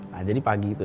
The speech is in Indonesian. nah jadi pagi itu